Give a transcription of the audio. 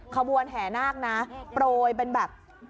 ขบวนแห่นาคนะโปรยเป็นแบบ